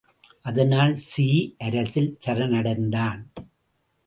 அதனால் சி அரசில் சரணடைந்தான்.